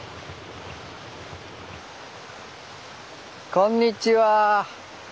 こんにちは。